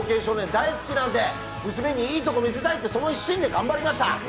大好きなんで娘にいいとこ見せたいという一心で頑張りました。